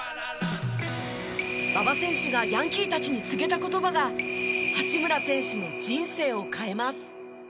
馬場選手がヤンキーたちに告げた言葉が八村選手の人生を変えます。